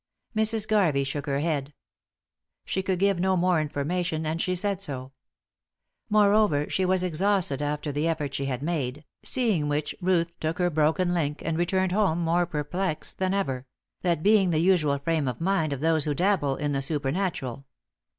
Mrs. Garvey shook her head. She could give no more information, and she said so. Moreover, she was exhausted after the effort she had made, seeing which Ruth took her broken link and returned home more perplexed than ever; that being the usual frame of mind of those who dabble in the supernatural.